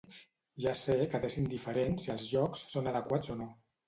Ja sé que t'és indiferent si els jocs són adequats o no.